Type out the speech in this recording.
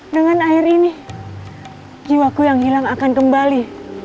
dengan air ini jiwaku yang hilang akan kembali